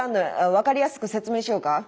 分かりやすく説明しようか？